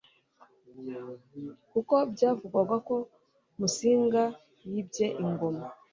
kuko byavugwaga ko Musinga yibye ingoma.